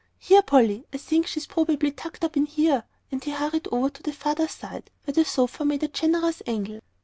Here, Polly, I think she's probably tucked up in here." And he hurried over to the farther side, where the sofa made a generous angle.